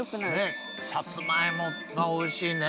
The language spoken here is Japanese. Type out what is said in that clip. さつまいもがおいしいね。